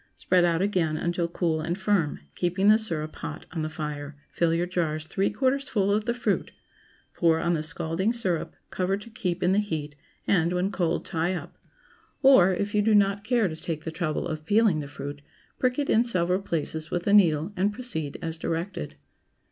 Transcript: Spread out again until cool and firm; keeping the syrup hot on the fire, fill your jars three quarters full of the fruit; pour on the scalding syrup, cover to keep in the heat, and, when cold, tie up. Or, If you do not care to take the trouble of peeling the fruit, prick it in several places with a needle, and proceed as directed.